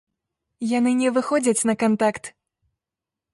Яны не выходзяць на кантакт.